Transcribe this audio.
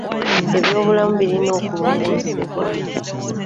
Ebyobulamu birina okulongoosebwa.